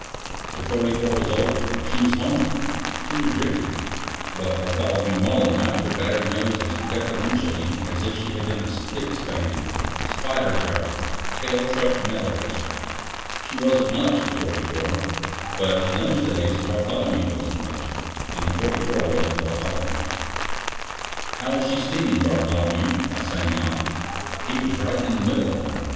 The 44 was old; she was homely; she was rickety; but Bartholomew Mullen wiped her battered nose as deferentially as if she had been a spick span, spider driver, tail truck mail racer. She wasn't much the 44. But in those days Bartholomew wasn't much: and the 44 was Bartholomew's. "How is she steaming, Bartholomew?" I sang out; he was right in the middle of her.